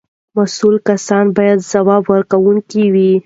مسؤل کسان باید ځواب ورکوونکي وي.